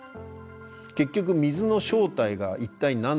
結局水の正体が一体何なのか。